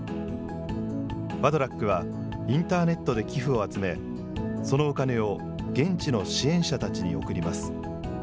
ワドラックは、インターネットで寄付を集め、そのお金を現地の支援者たちに送ります。